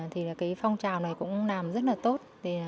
thì là cái phong trào này cũng làm rất là tốt